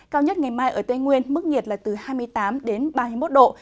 cao nhất ngày mai ở tây nguyên mức nhiệt là từ hai mươi tám đến ba mươi một độ